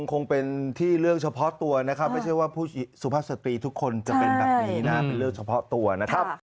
คงเป็นที่เรื่องเฉพาะตัวนะครับไม่ใช่ว่าสุภาพสตรีทุกคนจะเป็นแบบนี้นะเป็นเรื่องเฉพาะตัวนะครับ